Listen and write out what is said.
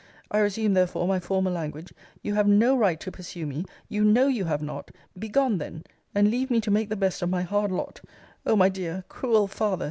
I resume, therefore, my former language: you have no right to pursue me: you know you have not: begone then, and leave me to make the best of my hard lot. O my dear, cruel father!